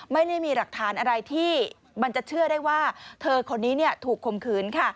ไม่ได้มีหลักฐานอะไรที่มันจะเชื่อได้ว่าเธอคนนี้ถูกคมขืน